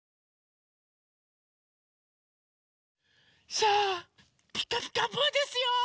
さあ「ピカピカブ！」ですよ！